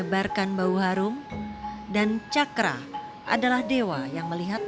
berbagai cara dilakukan